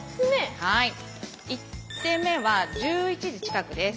１手目は１１時近くです。